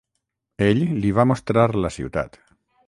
Ell li va mostrar la ciutat.